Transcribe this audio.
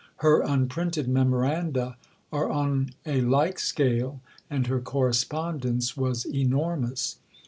Her unprinted Memoranda are on a like scale, and her correspondence was enormous.